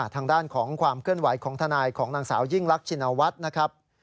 ทางด้านของความเคลื่อนไหวของทนายของนางสาวยิ่งรักชินวัฒน์นะครับ